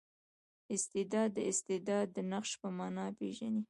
استبداد د استبداد د نقش په مانا پېژني.